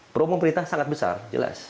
promo pemerintah sangat besar jelas